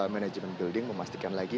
manajemen building memastikan lagi